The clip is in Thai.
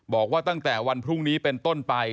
บอกว่าตั้งแต่วันพรุ่งนี้เป็นต้นไป